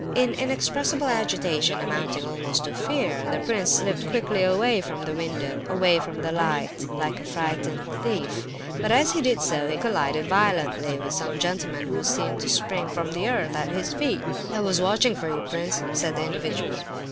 In inexpressible agitation, amounting almost to fear, the prince slipped quickly away from the window, away from the light, like a frightened thief, but as he did so he collided violently with some gentleman who seemed to spring from the earth at his feet. "I was watching for you, prince," said the individual.